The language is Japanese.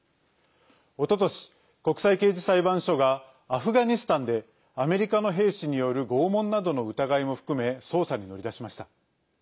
おととし、国際刑事裁判所がアフガニスタンでアメリカの兵士による拷問などの疑いも含め捜査に乗り出しました。